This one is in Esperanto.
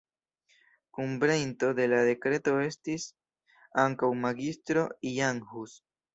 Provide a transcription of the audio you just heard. Kunkreinto de la dekreto estis ankaŭ Magistro Jan Hus.